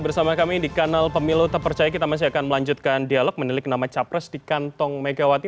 bersama kami di kanal pemilu terpercaya kita masih akan melanjutkan dialog menelik nama capres di kantong megawati